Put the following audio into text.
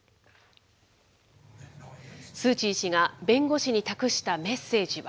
スー・チー氏が弁護士に託したメッセージは。